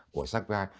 của sắc vai